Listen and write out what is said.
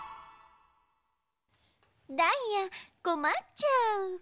ダイヤこまっちゃう。